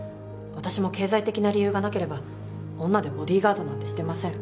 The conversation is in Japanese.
私も経済的な理由がなければ女でボディーガードなんてしてません。